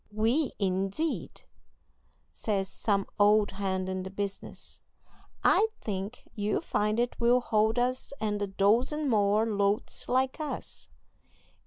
"We! indeed," says some old hand in the business; "I think you'll find it will hold us and a dozen more loads like us."